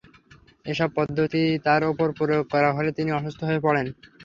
এসব পদ্ধতি তাঁর ওপর প্রয়োগ করা হলে তিনি অসুস্থ হয়ে পড়েন।